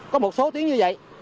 có một số tiếng như vậy